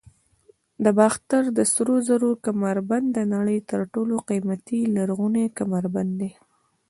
د باختر د سرو زرو کمربند د نړۍ تر ټولو قیمتي لرغونی کمربند دی